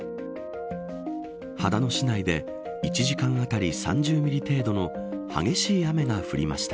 秦野市内で１時間当たり３０ミリ程度の激しい雨が降りました。